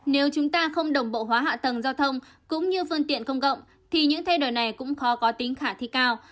nếu chúng ta không đồng bộ hóa hạ tầng giao thông cũng như phương tiện công cộng thì những thay đổi này cũng khó có tính khả thi cao